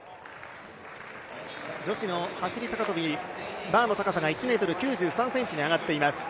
女子の走高跳、バーの高さが１ｍ９３ｃｍに上がっています。